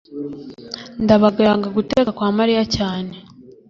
ndabaga yanga guteka kwa mariya cyane